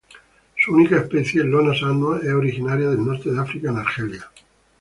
Su única especie: Lonas annua, es originaria del Norte de África en Argelia.